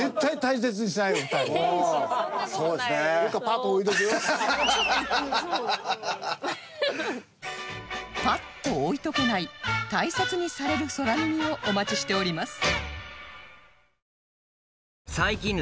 パッと置いておけない大切にされる空耳をお待ちしております